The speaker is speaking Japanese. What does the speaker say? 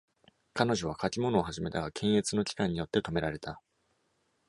彼女は書き物を始めたが、検閲の機関によって止められた。